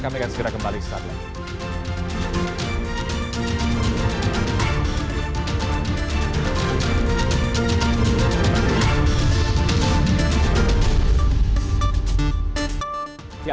kami akan segera kembali setelah ini